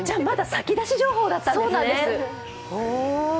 まだ先出し情報だったんですね。